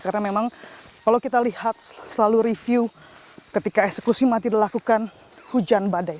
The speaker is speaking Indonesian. karena memang kalau kita lihat selalu review ketika eksekusi mati dilakukan hujan badai